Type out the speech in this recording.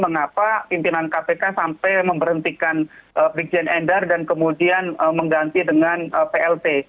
mengapa pimpinan kpk sampai memberhentikan brigjen endar dan kemudian mengganti dengan plt